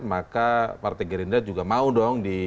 maka partai gerindra juga mau dong